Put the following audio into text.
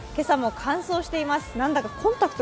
今朝も乾燥しています。